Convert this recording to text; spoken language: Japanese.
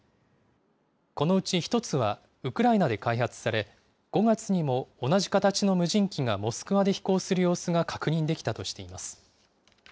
このうち１つは、ウクライナで開発され、５月にも同じ形の無人機がモスクワで飛行する様子が確認できたとしています。